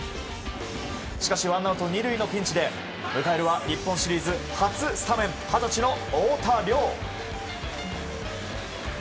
しかしワンアウト２塁のピンチで迎えるは日本シリーズ初スタメン、二十歳の太田椋。